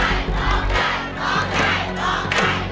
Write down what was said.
ร้องได้